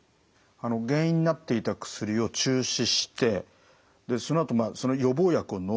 原因になっていた薬を中止してそのあとまあその予防薬をのむ。